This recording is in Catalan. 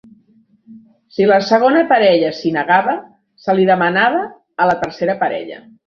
Si la segona parella s'hi negava, se l'hi demanava a la tercera parella.